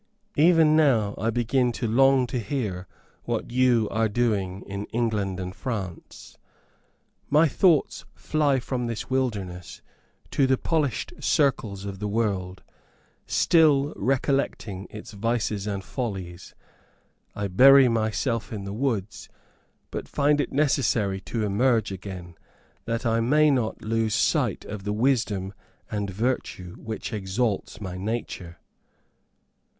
Even now I begin to long to hear what you are doing in England and France. My thoughts fly from this wilderness to the polished circles of the world, till recollecting its vices and follies, I bury myself in the woods, but find it necessary to emerge again, that I may not lose sight of the wisdom and virtue which exalts my nature.